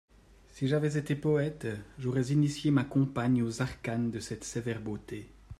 Si j'avais été poète, j'aurais initié ma compagne aux arcanes de cette sévère beauté.